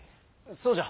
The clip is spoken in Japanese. そうじゃ。